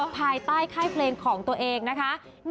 ภายใต้ค่ายเพลงของตัวเองนะคะ